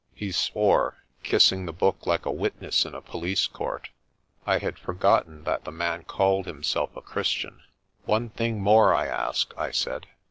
He swore, kissing the book like a witness in a police court. I had forgotten that the man called himself a Christian. "One thing more I ask," I said.